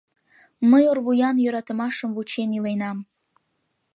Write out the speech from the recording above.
Мый орвуян йӧратымашым вучен иленам.